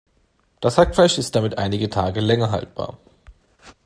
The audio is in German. Das Hackfleisch ist damit einige Tage länger haltbar.